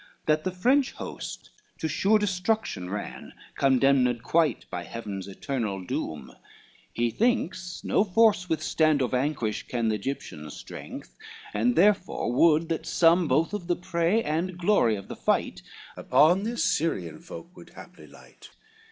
— That the French host to sure destruction ran, Condemned quite by Heaven's eternal doom: He thinks no force withstand or vanquish can The Egyptian strength, and therefore would that some Both of the prey and glory of the fight Upon this Syrian folk would haply light.